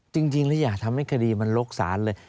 จริงแล้วอย่าทำให้คดีมันลกศาลเลย